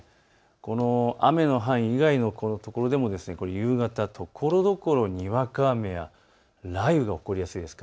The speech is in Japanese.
この雨の範囲以外のところでも夕方はところどころにわか雨や雷雨が起こりやすいです。